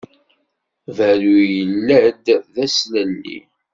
Berru yella-d d aslelli.